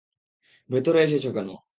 ভেতরে এসেছো কেন?